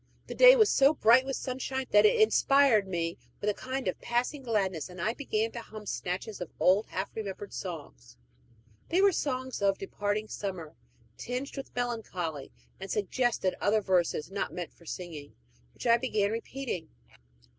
The day was so bright with sunshine that it inspired me with a kind of passing gladness, and I began to hum snatches of old half remembered songs. They were songs of departing summer, tinged with melancholy, and suggested other verses not meant for singing, which I began repeating.